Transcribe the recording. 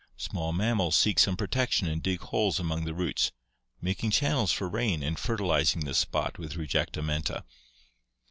Small mammals seek some protection and dig holes among the roots, making chan nels for rain and fertilizing the spot with rejectamenta.